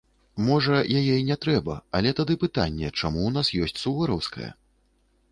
Можа, яе і не трэба, але тады пытанне, чаму ў нас ёсць сувораўская?